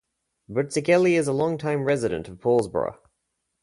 Burzichelli is a long-time resident of Paulsboro.